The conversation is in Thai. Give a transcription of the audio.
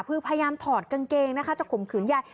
พยายามถอดกางเกงจะข่มขืนยาย